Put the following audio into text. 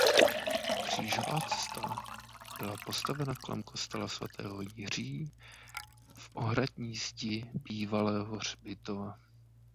Křížová cesta byla postavena kolem kostela svatého Jiří v ohradní zdi bývalého hřbitova.